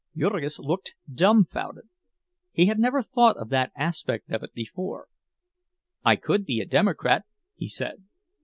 Jurgis looked dumfounded. He had never thought of that aspect of it before. "I could be a Democrat," he said.